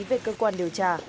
về cơ quan điều trả